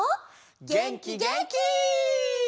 げんきげんき！